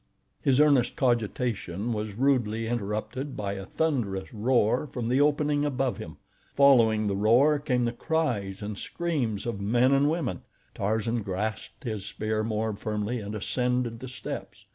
His earnest cogitation was rudely interrupted by a thunderous roar from the opening above him. Following the roar came the cries and screams of men and women. Tarzan grasped his spear more firmly and ascended the steps.